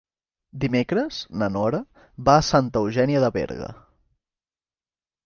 Dimecres na Nora va a Santa Eugènia de Berga.